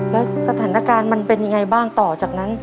แล้วสถานการณ์มันเป็นยังไงบ้างต่อจากนั้น